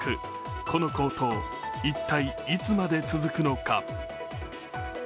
この高騰、一体いつまで続くのか。